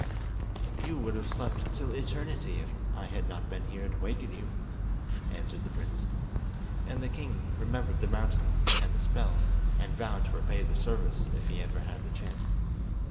"You would have slept till eternity if I had not been here to waken you," answered the prince. And the king remembered the mountain, and the spell, and vowed to repay the service if he ever had a chance.